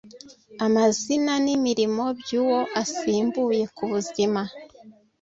amazina n imirimo by uwo asimbuye kubuzima